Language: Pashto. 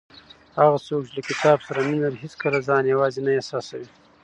هغه څوک چې له کتاب سره مینه لري هیڅکله ځان یوازې نه احساسوي.